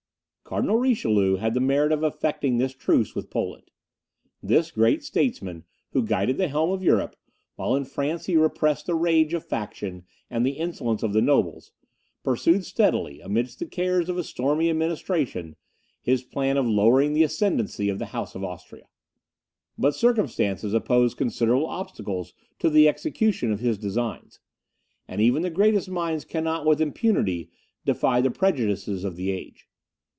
Cardinal Richelieu had the merit of effecting this truce with Poland. This great statesman, who guided the helm of Europe, while in France he repressed the rage of faction and the insolence of the nobles, pursued steadily, amidst the cares of a stormy administration, his plan of lowering the ascendancy of the House of Austria. But circumstances opposed considerable obstacles to the execution of his designs; and even the greatest minds cannot, with impunity, defy the prejudices of the age.